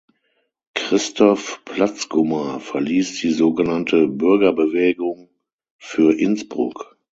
Christoph Platzgummer verließ die sogenannte Bürgerbewegung "Für Innsbruck".